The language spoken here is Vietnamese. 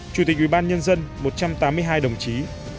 chủ tịch ubnd một trăm tám mươi hai đồng chí